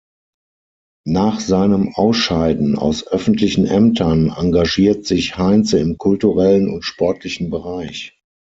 Nach seinem Ausscheiden aus öffentlichen Ämtern engagiert sich Heinze im kulturellen und sportlichen Bereich.